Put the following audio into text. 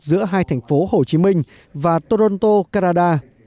giữa hai thành phố hồ chí minh và toronto canada